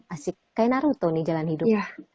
asik kayak naruto nih jalan hidup